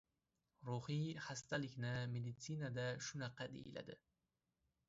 Ruhiy xastalikni meditsinada shunaqa deyiladi.